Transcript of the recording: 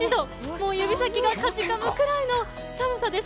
もう指先がかじかむぐらいの寒さです。